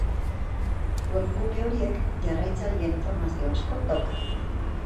Webgune horiek jarraitzaileen informazio asko daukate.